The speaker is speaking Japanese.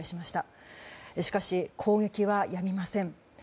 しかし、攻撃はやみません。